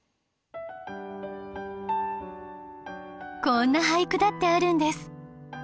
こんな俳句だってあるんです！